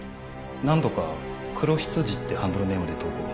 何度か黒羊ってハンドルネームで投稿。